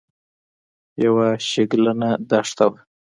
یوه شګلنه دښته وه.